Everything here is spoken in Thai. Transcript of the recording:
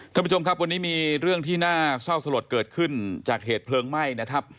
ท่านผู้ชมครับวันนี้มีเรื่องที่น่าเศร้าสลดเกิดขึ้นจากเหตุเพลิงไหม้นะครับ